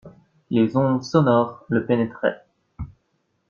Les ondes sonores le pénétraient.